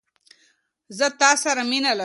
زه تاسره مینه لرم